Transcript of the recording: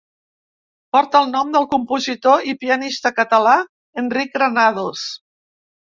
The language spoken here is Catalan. Porta el nom del compositor i pianista català Enric Granados.